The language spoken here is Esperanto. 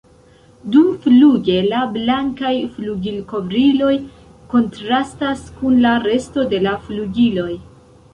Dumfluge la blankaj flugilkovriloj kontrastas kun la resto de la flugiloj.